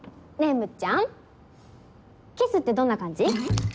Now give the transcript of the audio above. むっちゃんキスってどんな感じ？